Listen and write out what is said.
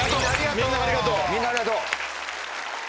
みんなありがとう。